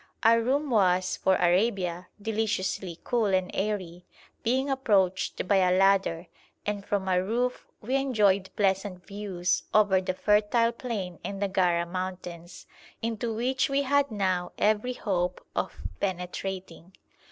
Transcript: Our room was, for Arabia, deliciously cool and airy, being approached by a ladder, and from our roof we enjoyed pleasant views over the fertile plain and the Gara mountains, into which we had now every hope of penetrating.